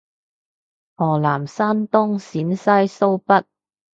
河南山東陝西蘇北